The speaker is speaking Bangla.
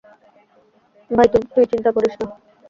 ভাই, তুই চিন্তা করিস না।